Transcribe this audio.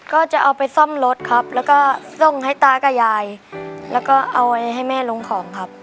ก็จะเอาไปซ่อมรถครับแล้วก็ส่งให้ตากับยายแล้วก็เอาไว้ให้แม่ลงของครับ